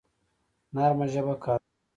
نرمه ژبه کاروئ